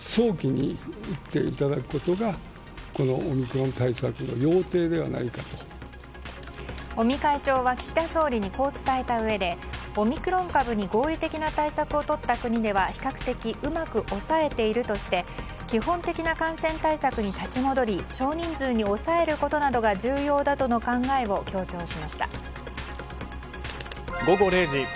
尾身会長は岸田総理にこう伝えたうえでオミクロン株に合意的な対策をとった国では比較的うまく抑えているとして基本的な感染対策に立ち戻り少人数に抑えることなどが重要だとの午後０時。